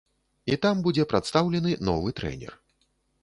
І там будзе прадстаўлены новы трэнер.